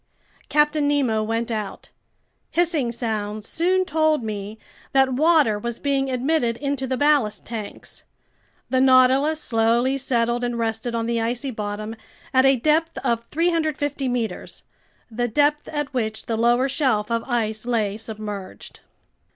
Captain Nemo went out. Hissing sounds soon told me that water was being admitted into the ballast tanks. The Nautilus slowly settled and rested on the icy bottom at a depth of 350 meters, the depth at which the lower shelf of ice lay submerged.